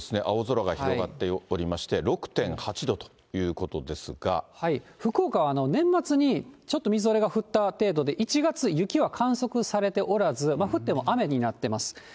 青空が広がっておりまして、６．福岡は年末にちょっとみぞれが降った程度で、１月、雪は観測されておらず、降っても雨になっています。